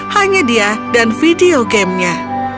hanya dia dan video gamenya